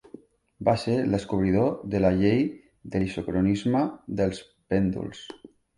Va ser el descobridor de la llei de l'isocronisme dels pèndols.